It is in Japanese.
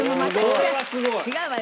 違うわよ。